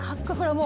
もう。